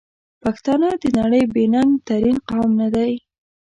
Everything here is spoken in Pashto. پښتانه د نړۍ بې ننګ ترین قوم ندی؟!